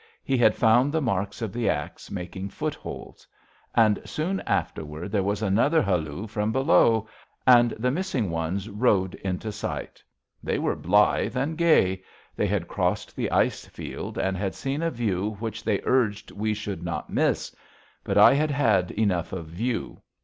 He had found the marks of the axe making footholds. And soon afterward there was another halloo from below, and the missing ones rode into sight. They were blithe and gay. They had crossed the ice field and had seen a view which they urged we should not miss. But I had had enough view.